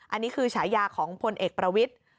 อันนี้คือฉายาของพลเอกประวิทธิ์